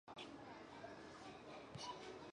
但拜占庭礼神父仍然留在一些教区中。